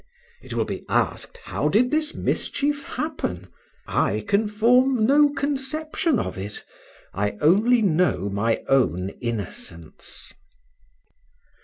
It will be asked, how did this mischief happen? I can form no conception of it, I only know my own innocence.